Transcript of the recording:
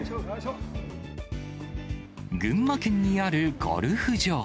群馬県にあるゴルフ場。